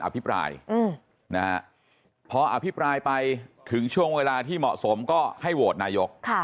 ภิปรายพออภิปรายไปถึงช่วงเวลาที่เหมาะสมก็ให้โหวตนายก